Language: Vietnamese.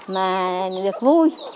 mà được vui